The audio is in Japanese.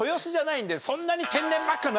そんなに。